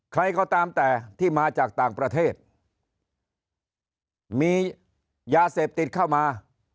ใครก็ตามแต่ที่มาจากต่างประเทศมียาเสพติดเข้ามา